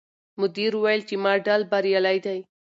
مدیر وویل چې ماډل بریالی دی.